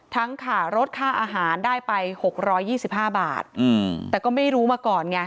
ค่ารถค่าอาหารได้ไป๖๒๕บาทแต่ก็ไม่รู้มาก่อนไง